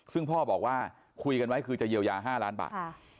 ซึ่งพ่อบอกว่าคุยกันไว้คือจะเยียวยา๕ล้านบาท